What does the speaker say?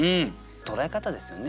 捉え方ですよね。